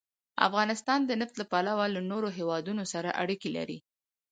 افغانستان د نفت له پلوه له نورو هېوادونو سره اړیکې لري.